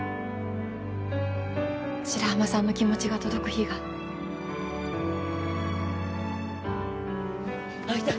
白浜さんの気持ちが届く日があいた！